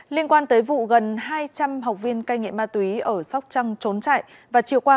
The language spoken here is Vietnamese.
liên quan tới vụ gần hai trăm linh học viên cai nghiện ma túy ở sóc trăng trốn chạy và chiều qua